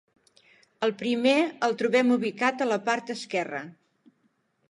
El primer el trobem ubicat a la part esquerra.